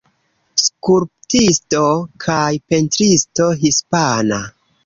Skulptisto kaj pentristo hispana.